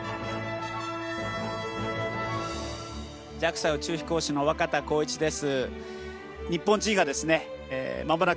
ＪＡＸＡ宇宙飛行士の若田光一です。